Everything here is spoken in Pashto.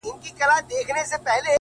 زړه ته د ښايست لمبه پوره راغلې نه ده ـ